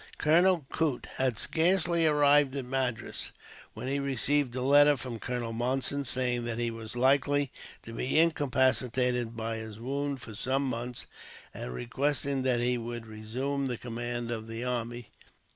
Colonel Coote had scarcely arrived at Madras when he received a letter from Colonel Monson, saying that he was likely to be incapacitated by his wound for some months, and requesting that he would resume the command of the army.